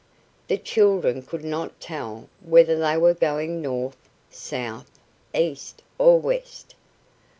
The children could not tell whether they were going north, south, east, or west.